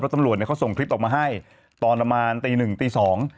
ตำรวจเนี่ยเขาส่งคลิปออกมาให้ตอนประมาณตีหนึ่งตีสอง